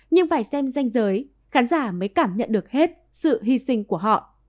nhưng phải xem danh giới khán giả mới cảm nhận được hết sự hy sinh của họ